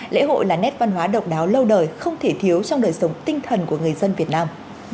lễ hội là nét văn hóa độc đáo lâu đời không thể thiếu trong đời sống tinh thần của người dân việt nam